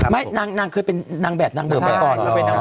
ไม่นางเคยเป็นนางแบบนางเดินไปก่อน